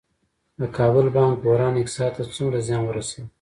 د کابل بانک بحران اقتصاد ته څومره زیان ورساوه؟